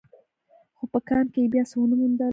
خو په کان کې يې بيا څه ونه موندل.